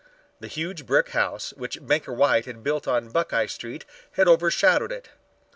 The huge brick house which Banker White had built on Buckeye Street had overshadowed it.